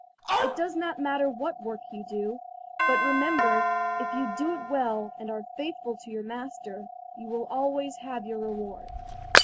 It does not matter what work you do, but remember if you do it well and are faithful to your master, you will always have your reward."